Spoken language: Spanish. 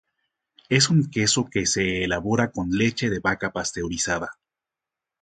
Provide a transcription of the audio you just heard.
Es un queso que se elabora con leche de vaca pasteurizada.